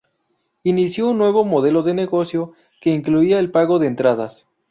Inició un nuevo modelo de negocio, que incluía el pago de entradas.